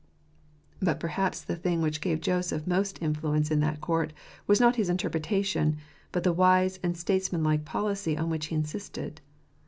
But perhaps the thing which gave Joseph most influence in that court was not his interpretation, but the wise and statesmanlike policy on which he insisted.